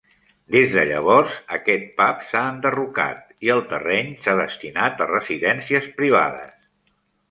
Des de llavors, aquest pub s'ha enderrocat i el terreny s'ha destinat a residències privades.